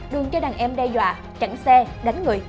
đường cho đàn em đe dọa chặn xe đánh người